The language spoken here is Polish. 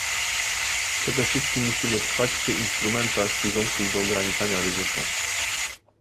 Przede wszystkim musimy trwać przy instrumentach służących do ograniczania ryzyka